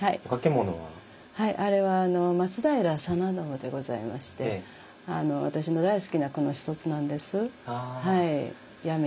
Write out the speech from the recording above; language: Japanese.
あれは松平定信でございまして私の大好きな句の一つなんです。